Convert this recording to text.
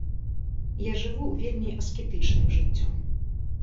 Я жыву вельмі аскетычным жыццём.